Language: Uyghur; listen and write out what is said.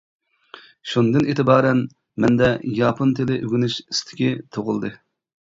شۇندىن ئېتىبارەن مەندە ياپون تىلى ئۆگىنىش ئىستىكى تۇغۇلدى.